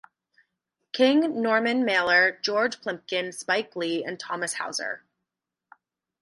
King, Norman Mailer, George Plimpton, Spike Lee and Thomas Hauser.